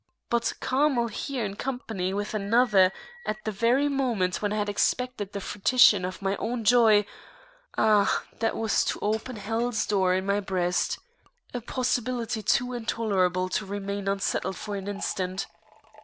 But Carmel here in company with another at the very moment when I had expected the fruition of my own joy, ah, that was to open hell's door in my breast; a possibility too intolerable to remain unsettled for an instant.